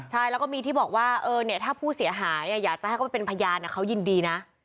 ใช่แล้วก็มีที่บอกว่าถ้าผู้เสียหายอยากจะให้เขาไปเป็นพยานเขายินดีนะ